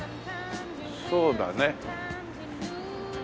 そうだね。